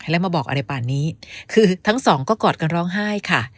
แล้วมาบอกอะไรป่านนี้คือทั้งสองก็กอดกันร้องไห้ค่ะ